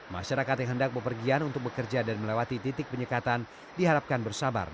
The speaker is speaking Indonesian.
masyarakat yang hendak bepergian untuk bekerja dan melewati titik penyekatan diharapkan bersabar